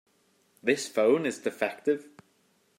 This phone is defective.